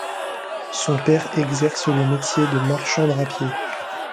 Son père exerce le métier de marchand drapier.